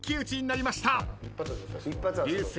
流星